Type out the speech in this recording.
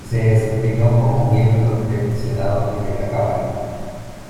Se desempeñó como miembro del Senado y de la Cámara.